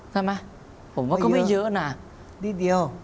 ใช่ไหมผมว่าก็ไม่เยอะนะนิดเดียว